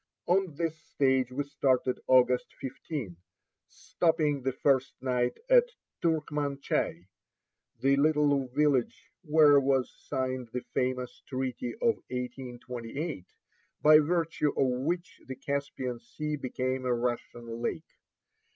On this stage we started August 15, stopping the first night at Turkmanchai, the little village where was signed the famous treaty of 1828 by virtue of which the Caspian Sea became a Russian lake.